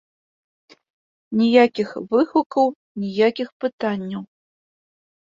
Ніякіх выгукаў, ніякіх пытанняў.